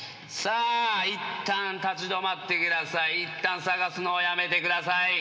いったん捜すのをやめてください。